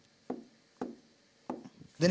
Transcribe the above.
でね